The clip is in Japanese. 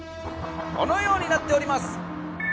このようになっております！